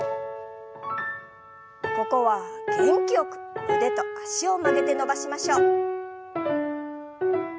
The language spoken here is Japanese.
ここは元気よく腕と脚を曲げて伸ばしましょう。